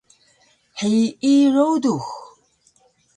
hiyi rudux